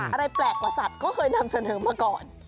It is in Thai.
อะไรแปลกกว่าสัตว์ก็เคยนำเสนอมาก่อน